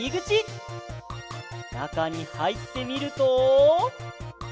なかにはいってみると。